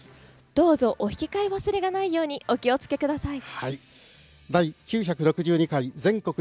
どうぞお引き換え忘れがないようにお気をつけください。